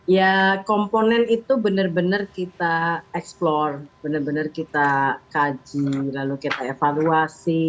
ya komponen itu benar benar kita eksplor benar benar kita kaji lalu kita evaluasi